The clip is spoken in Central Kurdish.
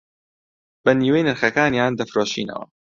بە نیوەی نرخەکانیان دەفرۆشینەوە